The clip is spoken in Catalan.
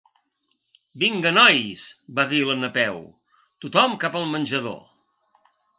Vinga nois —va dir la Napeu—, tothom cap al menjador.